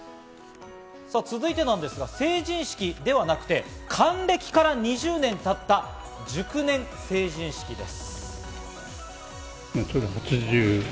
続いてですが、成人式ではなくて、還暦から２０年経った熟年成人式です。